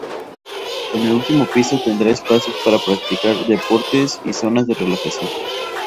En el último piso tendrá espacios para practicar deportes y zonas de relajación.